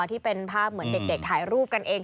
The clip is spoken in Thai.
ที่เป็นภาพเหมือนเด็กถ่ายรูปกันเอง